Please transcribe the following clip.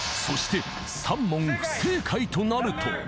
［そして３問不正解となると］